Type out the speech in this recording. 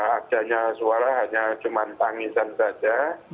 adanya suara hanya cuma tangisan saja